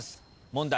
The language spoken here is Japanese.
問題